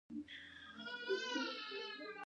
که ماشوم زده کړه وکړي، نو راتلونکی به روښانه شي.